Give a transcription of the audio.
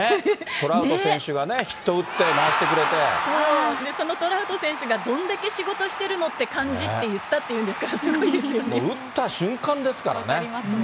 トラウト選手がね、ヒット打って、そう、そのトラウト選手がどんだけ仕事してるのって感じって言ったってもう打った瞬間ですからね。